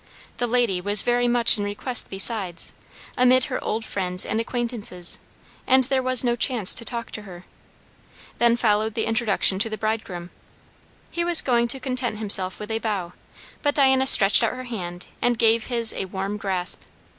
The lady was very much in request besides, amid her old friends and acquaintances, and there was no chance to talk to her. Then followed the introduction to the bridegroom. He was going to content himself with a bow, but Diana stretched out her hand and gave his a warm grasp.